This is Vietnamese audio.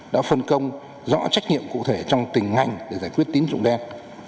đã phân công rõ trách nhiệm cụ thể trong từng ngành để giải quyết tín dụng đen